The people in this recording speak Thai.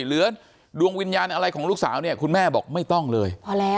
เหลือดวงวิญญาณอะไรของลูกสาวนี้คุณแม่บอกไม่ต้องเลย